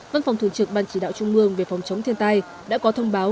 văn phòng thường trực ban chỉ đạo trung mương về phòng chống thiên tai đã có thông báo